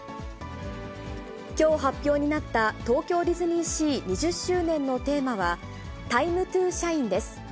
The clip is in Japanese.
きょう発表になった東京ディズニーシー２０周年のテーマは、タイム・トゥ・シャイン！です。